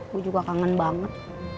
gue juga kangen banget